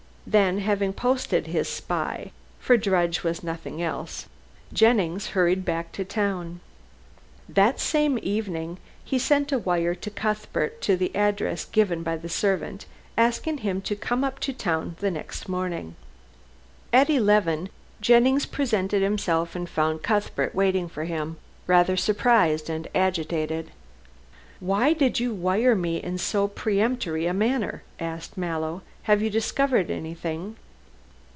Then having posted his spy for Drudge was nothing else Jennings hurried back to town. That same evening he sent a wire to Cuthbert to the address given by the servant, asking him to come up to town next morning. At eleven Jennings presented himself and found Cuthbert waiting for him, rather surprised and agitated. "Why did you wire me in so peremptory a manner?" asked Mallow; "have you discovered anything?"